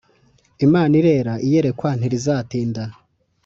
Imana irera Iyerekwa ntirizatinda